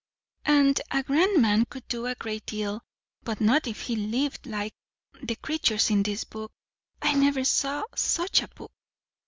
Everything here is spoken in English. And a grand man could do a great deal. But not if he lived like the creatures in this book. I never saw such a book."